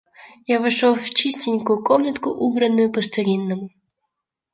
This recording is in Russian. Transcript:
Я вошел в чистенькую комнатку, убранную по-старинному.